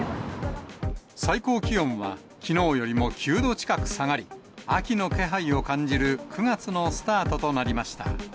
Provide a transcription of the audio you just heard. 最高気温はきのうよりも９度近く下がり、秋の気配を感じる９月のスタートとなりました。